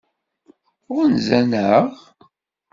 Ɣunzan-aɣ?